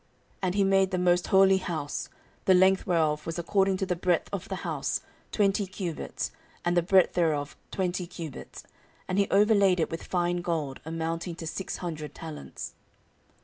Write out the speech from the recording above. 14:003:008 And he made the most holy house, the length whereof was according to the breadth of the house, twenty cubits, and the breadth thereof twenty cubits: and he overlaid it with fine gold, amounting to six hundred talents.